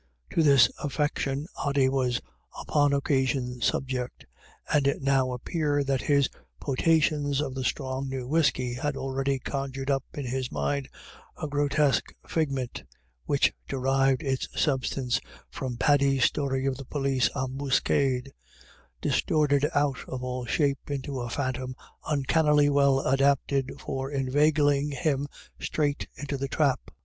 To this affec tion Ody was upon occasion subject, and it now appeared that his potations of the strong new whiskey had already conjured up in his mind a grotesque figment, which derived its substance from Paddy's story of the police ambuscade, distorted out of all shape into a phantom uncannily well adapted for inveigling him straight into the trap.